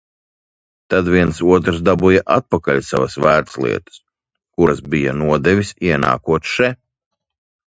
Tad viens otrs dabūja atpakaļ savas vērtslietas – kuras tur bija nodevis ienākot še.